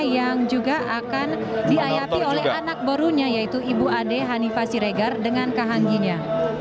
yang juga akan diayapi oleh anak barunya yaitu ibu ade hanifah siregar dengan kahangginya